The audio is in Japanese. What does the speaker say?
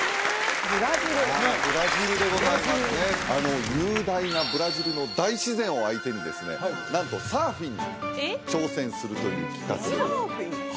ブラジルブラジルでございますねあの雄大なブラジルの大自然を相手にですねなんとサーフィンに挑戦するという企画サーフィン？